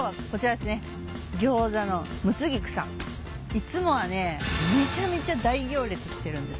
いつもはねめちゃめちゃ大行列してるんです。